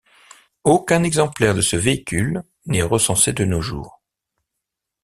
Aucun exemplaire de ce véhicule n’est recensé de nos jours.